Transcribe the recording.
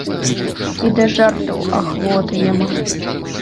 І да жартаў ахвоты няма.